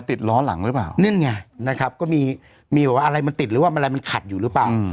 ติดล้อหลังหรือเปล่านั่นไงนะครับก็มีอะไรมันติดหรือว่ามันขัดอยู่หรือเปล่า